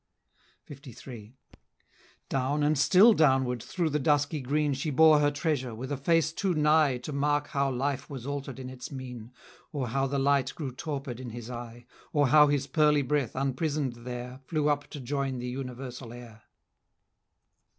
LIII. Down and still downward through the dusky green She bore her treasure, with a face too nigh To mark how life was alter'd in its mien, Or how the light grew torpid in his eye, Or how his pearly breath, unprison'd there, Flew up to join the universal air.